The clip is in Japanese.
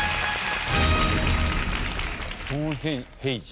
ストーンヘンジ？